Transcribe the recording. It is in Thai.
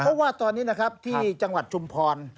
เพราะว่าตอนนี้นะครับที่จังหวัดชุมพร